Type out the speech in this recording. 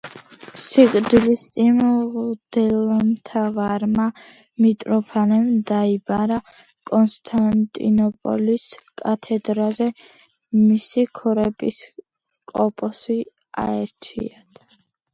სიკვდილის წინ მღვდელმთავარმა მიტროფანემ დაიბარა, კონსტანტინოპოლის კათედრაზე მისი ქორეპისკოპოსი აერჩიათ.